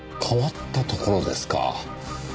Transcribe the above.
変わったところですか。